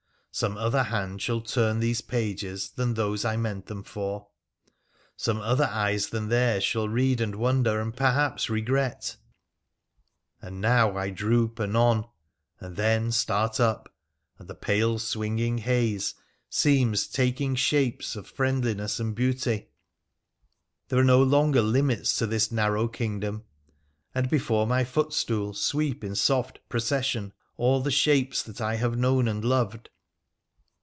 Some other hand shall turn these pages than those I meant them for : some other eyes than theirs shall read and wonder, and perhaps regret. And now I droop anon, and then start up, and the pale swinging haze seems taking shapes of friendliness and beauty. There are no longer limits to this narrow kingdom, and before my footstool sweep in soft procession all the shapes that I have known and loved.